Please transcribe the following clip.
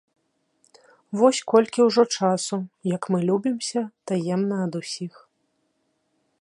Вось колькі ўжо часу, як мы любімся таемна ад усіх.